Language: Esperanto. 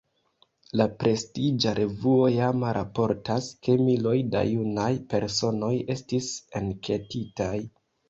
La prestiĝa revuo Jama raportas, ke miloj da junaj personoj estis enketitaj.